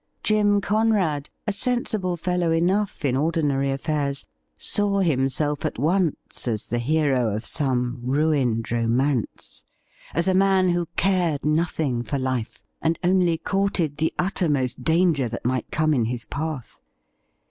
Jim Conrad, a sensible fellow enough in ordinary affairs, saw himself at once as the hero of some ruined romance — as a man who cared nothing for life, and only courted the uttermost danger that might come in his path.